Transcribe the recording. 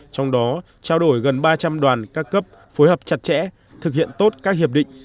trong đó trao đổi gần ba trăm linh đoàn các cấp phối hợp chặt chẽ thực hiện tốt các hiệp định